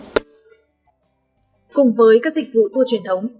cùng với các dịch vụ tour truyền thống